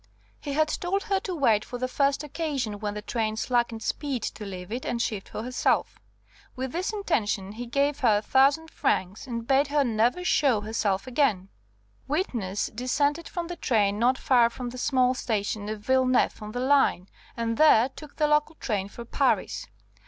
He had told her to wait for the first occasion when the train slackened speed to leave it and shift for herself. With this intention he gave her a thousand francs, and bade her never show herself again. "Witness descended from the train not far from the small station of Villeneuve on the line, and there took the local train for Paris.